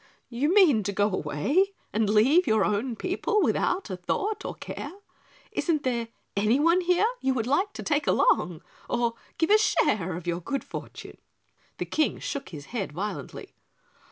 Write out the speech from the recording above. "You mean to go away and leave your own people without a thought or care? Isn't there anyone here you would like to take along or give a share of your good fortune?" The King shook his head violently.